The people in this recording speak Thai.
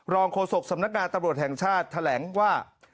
โฆษกสำนักงานตำรวจแห่งชาติแถลงว่า